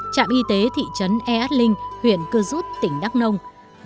trạm y tế thị trấn e at linh huyện cơ rút tỉnh đắk nông